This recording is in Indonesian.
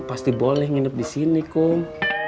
pasti boleh nginep disini kum